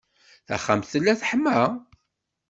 Taxxamt tella teḥma.